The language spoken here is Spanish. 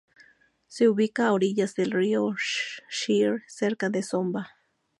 Se ubica a orillas del río Shire, cerca de Zomba.